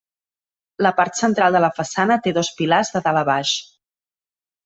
La part central de la façana té dos pilars de dalt a baix.